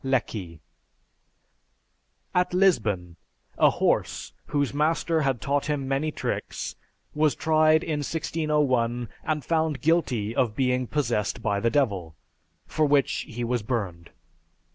(Lecky.) At Lisbon, a horse whose master had taught him many tricks, was tried in 1601 and found guilty of being possessed by the Devil, for which he was burned.